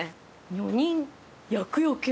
女人厄よけ。